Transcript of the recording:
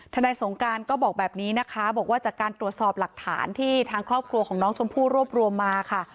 นายสงการก็บอกแบบนี้นะคะบอกว่าจากการตรวจสอบหลักฐานที่ทางครอบครัวของน้องชมพู่รวบรวมมาค่ะ